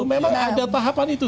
memang ada tahapan itu